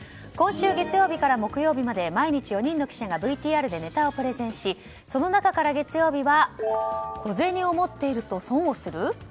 今週月曜日から木曜日まで毎日４人の記者がＶＴＲでネタをプレゼンしその中から月曜日は小銭を持っていると損をする？